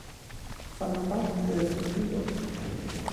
Fanno parte del Hello!